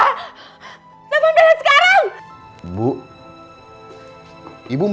aku juga sudah lama nonton sebitumen